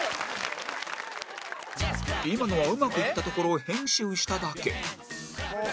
今のはうまくいったところを編集しただけ